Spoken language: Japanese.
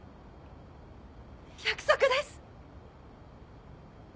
約束です。